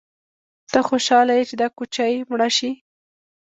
_ته خوشاله يې چې دا کوچۍ مړه شي؟